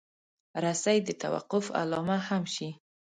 رسۍ د توقف علامه هم شي.